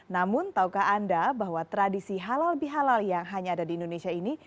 namun tahukah anda bahwa tradisi halal bihalal yang hanya ada di indonesia ini